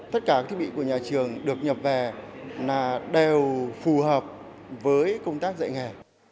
tất cả các thiết bị của nhà trường được nhập về là đều phù hợp với công tác dạy nghề